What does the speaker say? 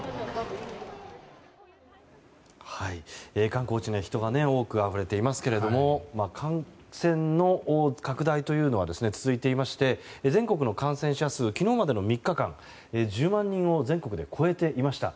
観光地で人が多くあふれていますけど感染の拡大というのは続いていまして全国の感染者数昨日までの３日間１０万人を全国で超えていました。